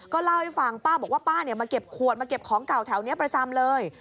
เล่าให้ฟังป้าบอกว่าป้ามาเก็บขวดมาเก็บของเก่าแถวนี้ประจำเลย